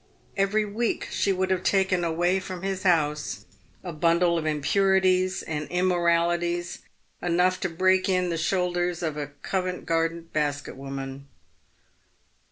Every week she would have taken away from hia house a bundle of impurities and immo ralities enough to break in the shoulders of a Co vent garden basket woman.